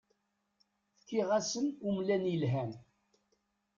Fkiɣ-asen umlan yelhan.